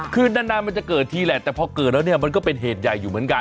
คือนานมันจะเกิดทีแหละแต่พอเกิดแล้วเนี่ยมันก็เป็นเหตุใหญ่อยู่เหมือนกัน